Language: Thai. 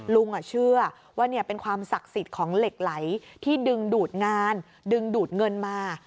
ลุงเชื่อว่าเป็นความศักดิ์สิทธิ์ของเหล็กไหลที่ดึงดูดงานดึงดูดเงินมา